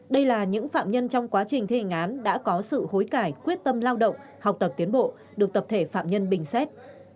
đây là những phạm nhân trong quá trình thi hành án đã có sự hối cải quyết tâm lao động học tập tiến bộ được tập thể phạm nhân bình xét